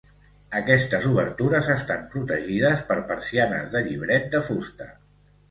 Aquestes obertures estan protegides per persianes de llibret de fusta.